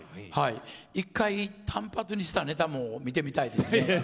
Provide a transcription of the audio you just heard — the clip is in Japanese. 一回、短髪にしたネタも見てみたいですね。